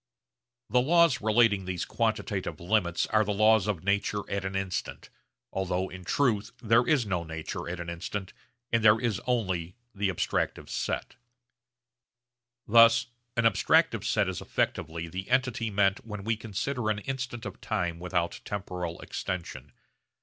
The laws relating these quantitative limits are the laws of nature 'at an instant,' although in truth there is no nature at an instant and there is only the abstractive set. Thus an abstractive set is effectively the entity meant when we consider an instant of time without temporal extension.